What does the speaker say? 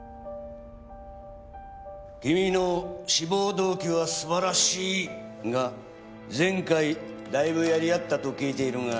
君の志望動機は素晴らしい！が前回だいぶやり合ったと聞いているが。